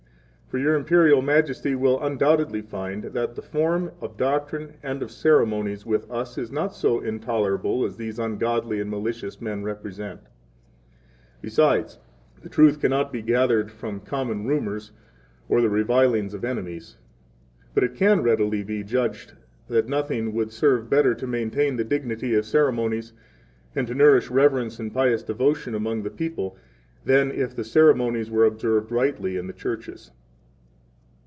13 For Your Imperial Majesty will undoubtedly find that the form of doctrine and of ceremonies with us is not so intolerable as these ungodly and malicious men represent. 14 Besides, the truth cannot be gathered from common rumors or the revilings of enemies. 15 But it can readily be judged that nothing would serve better to maintain the dignity of ceremonies, and to nourish reverence and pious devotion among the people than if the ceremonies were observed rightly in the churches.